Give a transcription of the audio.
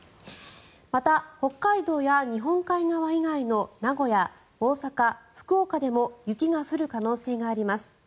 また、北海道や日本海側以外の名古屋、大阪、福岡でも雪が降る可能性があります。